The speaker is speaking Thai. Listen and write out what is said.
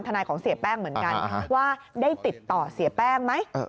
นายของเสียแป้งเหมือนกันว่าได้ติดต่อเสียแป้งไหม